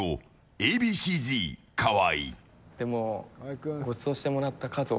Ａ．Ｂ．Ｃ‐Ｚ河合。